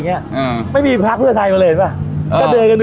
อย่างเงี้ยอืมไม่มีพรรคเพื่อไทยมาเลยป่ะก็เดินกัน